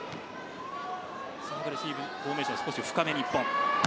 サーブレシーブのフォーメーション深め、日本。